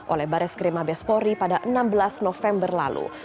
oleh bares krimabespori pada enam belas november lalu